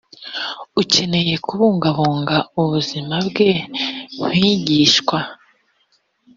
ukeneye kubungabunga ubuzima bwe kwigishwa